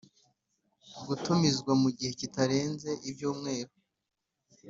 gutumizwa mu gihe kitarenze ibyumweru